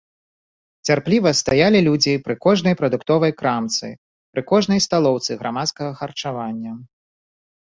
Цярпліва стаялі людзі пры кожнай прадуктовай крамцы, пры кожнай сталоўцы грамадскага харчавання.